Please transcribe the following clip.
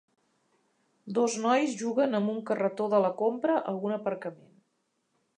Dos nois juguen amb un carretó de la compra a un aparcament.